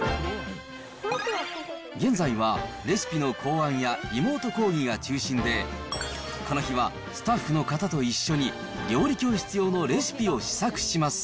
現在はレシピの考案やリモート講義が中心で、この日はスタッフの方と一緒に、料理教室用のレシピを試作します。